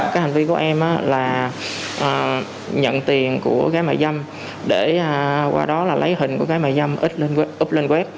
các hành vi của em là nhận tiền của gái bán dâm để qua đó lấy hình của gái bán dâm ít lên